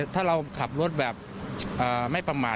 ถ้าเราขับรถแบบไม่ประมาท